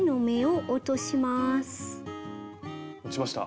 落ちました。